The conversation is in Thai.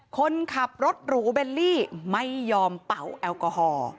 คนขับรถหรูเบลลี่ไม่ยอมเป่าแอลกอฮอล์